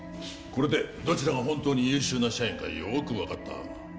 これでどちらが本当に優秀な社員かよく分かった